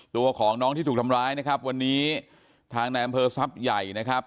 ตัวของน้องที่ถูกทำร้ายนะครับวันนี้ทางในอำเภอทรัพย์ใหญ่นะครับ